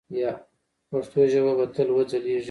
پښتو ژبه به تل وځلیږي.